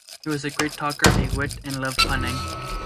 He was a great talker, a wit, and loved punning.